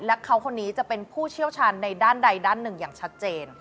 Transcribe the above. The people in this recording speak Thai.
และเขาคนนี้จะเป็นผู้เชี่ยวชาญในด้านใดด้านหนึ่งอย่างชัดเจน